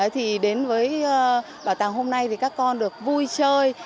thì đến với bảo tàng hôm nay thì các con được vui chơi